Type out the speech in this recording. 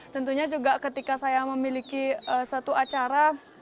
tentunya juga ketika saya memiliki satu acara